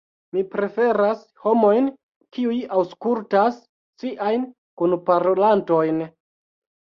Mi preferas homojn, kiuj aŭskultas siajn kunparolantojn.